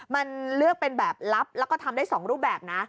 มันเลือกเป็นแบบลับแล้วก็ทำได้๒รูปแบบนะ